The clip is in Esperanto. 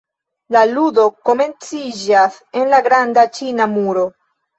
La ludo komenciĝas en la Granda Ĉina Muro.